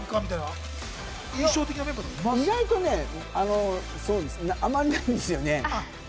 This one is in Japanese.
意外とね、あまりないんですよね。